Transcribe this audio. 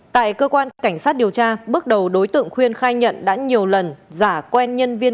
tại cơ quan cảnh sát điều tra bước đầu đối tượng khuyên khai nhận đã nhiều lần giả quen nhân viên